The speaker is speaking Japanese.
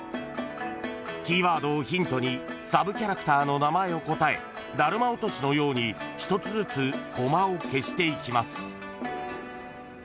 ［キーワードをヒントにサブキャラクターの名前を答えダルマ落としのように１つずつコマを消していきます］